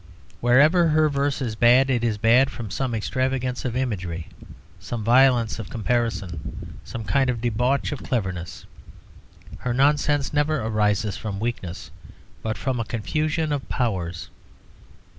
Wherever her verse is bad it is bad from some extravagance of imagery, some violence of comparison, some kind of debauch of cleverness. Her nonsense never arises from weakness, but from a confusion of powers.